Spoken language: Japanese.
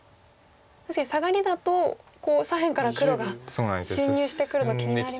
確かにサガリだと左辺から黒が侵入してくるの気になりますよね。